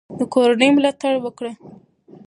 د کورنیو ملاتړ وکړئ.